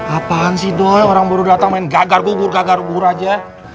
apaan sih doi orang baru datang main gagar gugur gagar gugur aja